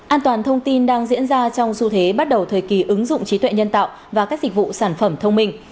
an toàn thông tin đang diễn ra trong xu thế bắt đầu thời kỳ ứng dụng trí tuệ nhân tạo và các dịch vụ sản phẩm thông minh